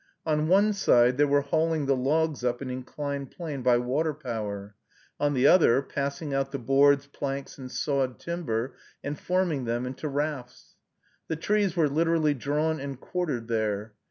On one side, they were hauling the logs up an inclined plane by water power; on the other, passing out the boards, planks, and sawed timber, and forming them into rafts. The trees were literally drawn and quartered there.